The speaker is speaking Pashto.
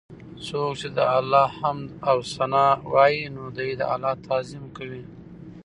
څوک چې د الله حمد او ثناء وايي، نو دی د الله تعظيم کوي